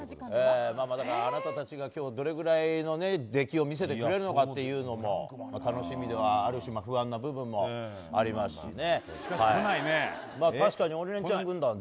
あなたたちが今日どれくらいの出来を見せてくれるのかというのも楽しみではあるし不安な部分でもありますしね。